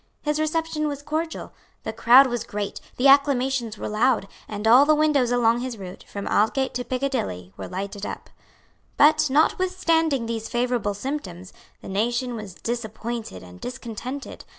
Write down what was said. His reception was cordial. The crowd was great; the acclamations were loud; and all the windows along his route, from Aldgate to Piccadilly, were lighted up. But, notwithstanding these favourable symptoms, the nation was disappointed and discontented.